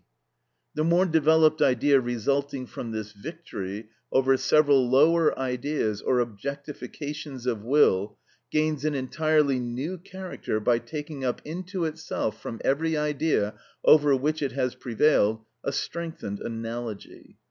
The more developed Idea resulting from this victory over several lower Ideas or objectifications of will, gains an entirely new character by taking up into itself from every Idea over which it has prevailed a strengthened analogy.